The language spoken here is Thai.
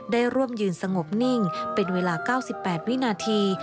ได้ร่วมยืนสงบนิ่งเป็นเวลา๙๘วินาที